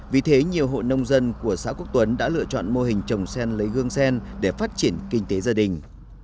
vì thế nhiều hộ nông dân của xã quốc tuấn đã lựa chọn mô hình trồng sen lấy gương sen để phát triển kinh tế gia đình